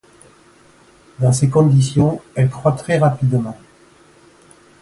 Dans ces conditions, elle croît très rapidement.